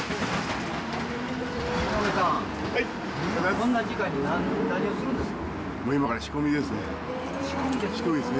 こんな時間に何するんですか。